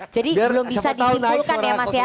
jadi belum bisa disimpulkan ya mas ya